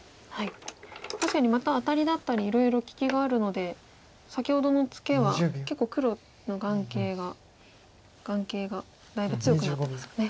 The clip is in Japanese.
確かにまたアタリだったりいろいろ利きがあるので先ほどのツケは結構黒の眼形が眼形がだいぶ強くなってますかね。